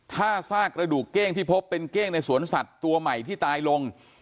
ถ้าซากระดูกเก้งที่พบเป็นเก้งในสวนสัตว์ตัวใหม่ที่ตายลง